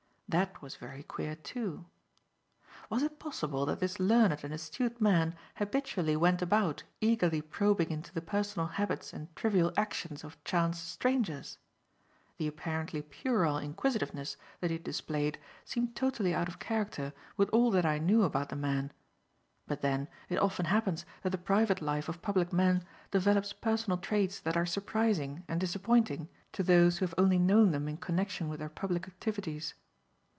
That was very queer, too. Was it possible that this learned and astute man habitually went about eagerly probing into the personal habits and trivial actions of chance strangers? The apparently puerile inquisitiveness that he had displayed seemed totally out of character with all that I knew about the man; but then it often happens that the private life of public men develops personal traits that are surprising and disappointing to those who have only known them in connection with their public activities.